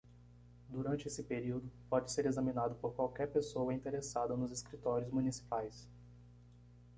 Durante esse período, pode ser examinado por qualquer pessoa interessada nos escritórios municipais.